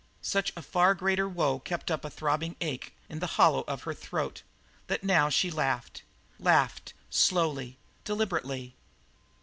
Such a far greater woe kept up a throbbing ache in the hollow of her throat that now she laughed, laughed slowly, deliberately.